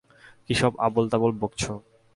কী সব আবোলতাবোল বকছো?